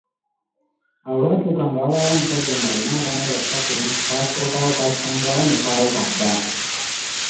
Awo olwatuuka nga wabaawo omusajja ng’alina abaana be basatu: Kasookawo, Kaasangwawo ne Kawokadda.